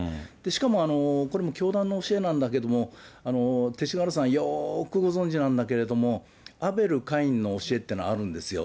しかもこれも教団の教えなんだけれども、勅使河原さん、よくご存じなんだけれども、アベル、カインの教えっていうのがあるんですよ。